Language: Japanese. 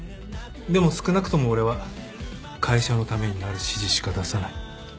でも少なくとも俺は会社のためになる指示しか出さない。